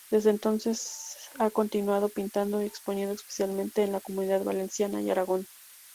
Desde entonces ha continuado pintando y exponiendo, especialmente en la Comunidad Valenciana y Aragón.